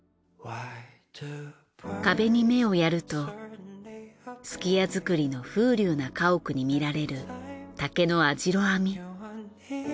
壁に目をやると数寄屋造りの風流な家屋に見られる竹の網代編み。